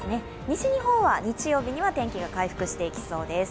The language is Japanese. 西日本は、日曜日には天気が回復していきそうです。